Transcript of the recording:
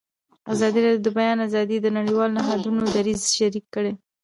ازادي راډیو د د بیان آزادي د نړیوالو نهادونو دریځ شریک کړی.